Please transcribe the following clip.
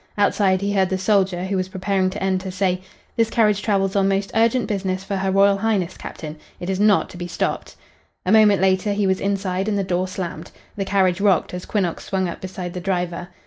Outside he heard the soldier, who was preparing to enter, say: "This carriage travels on most urgent business for Her Royal Highness, captain. It is not to be stopped." A moment later he was inside and the door slammed. The carriage rocked as Quinnox swung up beside the driver.